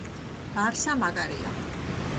ბარსა მაგარია